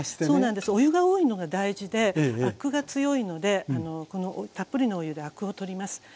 そうなんですお湯が多いのが大事でアクが強いのでこのたっぷりのお湯でアクを取ります。